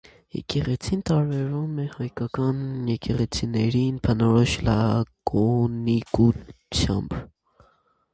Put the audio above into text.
Եկեղեցին տարբերվում է հայկական եկեղեցիներին բնորոշ լակոնիկությամբ։